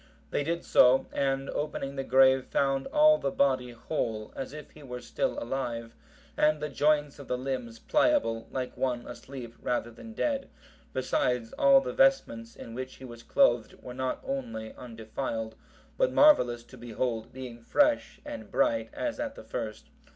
They did so, and opening the grave, found all the body whole, as if he were still alive, and the joints of the limbs pliable, like one asleep rather than dead; besides, all the vestments in which he was clothed were not only undefiled, but marvellous to behold, being fresh and bright as at the first.